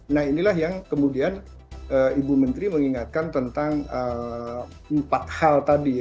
nah inilah yang kemudian ibu menteri mengingatkan tentang empat hal tadi